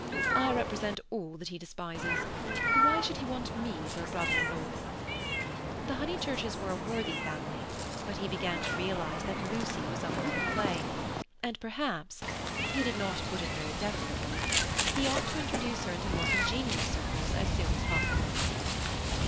"I represent all that he despises. Why should he want me for a brother in law?" The Honeychurches were a worthy family, but he began to realize that Lucy was of another clay; and perhaps—he did not put it very definitely—he ought to introduce her into more congenial circles as soon as possible.